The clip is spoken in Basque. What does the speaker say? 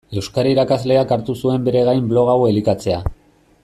Euskara irakasleak hartu zuen bere gain blog hau elikatzea.